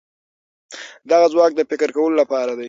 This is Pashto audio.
دغه ځواک د فکر کولو لپاره دی.